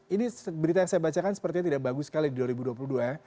ini berita yang saya bacakan sepertinya tidak bagus sekali di dua ribu dua puluh dua ya